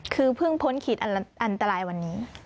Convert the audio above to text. คือเพิ่งพ้นขีดอันตรายวันนี้